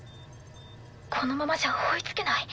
このままじゃ追いつけない。